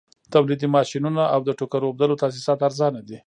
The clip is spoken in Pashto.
تولیدي ماشینونه او د ټوکر اوبدلو تاسیسات ارزانه دي